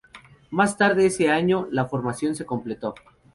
Más tarde ese año, la formación se completó.